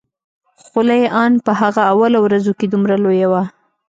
خوله يې ان په هغه اولو ورځو کښې دومره لويه وه.